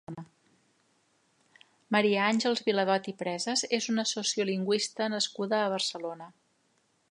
Maria Àngels Viladot i Presas és una sociolingüista nascuda a Barcelona.